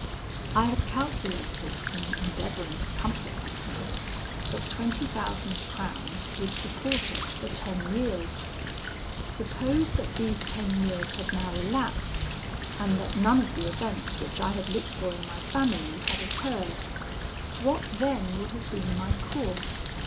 "I had calculated in endeavouring to comfort myself, that twenty thousand crowns would support us for ten years. Suppose that these ten years had now elapsed, and that none of the events which I had looked for in my family had occurred. What then would have been my course?